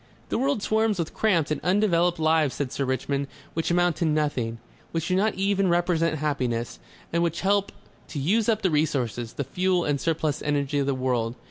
"The world swarms with cramped and undeveloped lives," said Sir Richmond. "Which amount to nothing. Which do not even represent happiness. And which help to use up the resources, the fuel and surplus energy of the world."